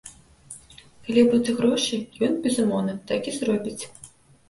Калі будуць грошы, ён, безумоўна, так і зробіць.